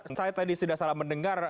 saya tadi tidak salah mendengar